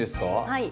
はい。